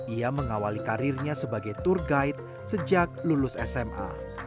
ia mengawali karirnya sebagai tour guide sejak lulus sma